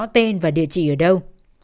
ngân có tên và địa chỉ ở đâu